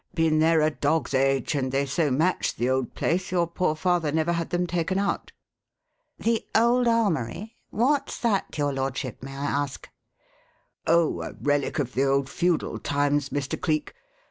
Been there a dog's age; and they so matched the old place your poor father never had them taken out." "The 'old armoury'? What's that, your lordship, may I ask?" "Oh, a relic of the old feudal times, Mr. Cleek.